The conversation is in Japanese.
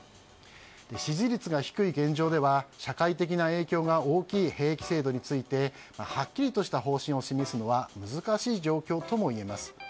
支持率が低い現状では社会的な影響が大きい兵役制度についてはっきりとした方針を示すのは難しい状況ともいえます。